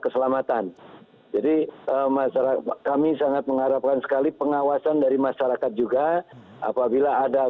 keselamatan jadi masyarakat kami sangat mengharapkan sekali pengawasan dari masyarakat juga apabila ada